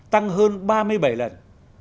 tăng hơn ba mươi bảy lần